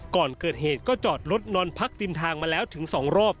ก่อนเกิดเหตุก็จอดรถนอนพักริมทางมาแล้วถึง๒รอบ